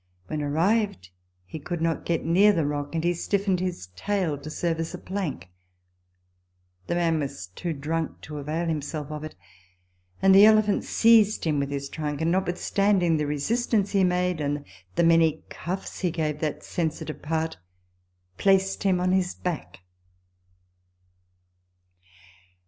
When arrived, he could not get near the rock, and he stiffened his tail to serve as a plank. The man was too drunk to avail himself of it, and the elephant seized him with his trunk, and, notwithstanding TABLE TALK OF SAMUEL ROGERS 253 the resistance he made, and the many cuffs he gave that sensitive part, placed him on his back.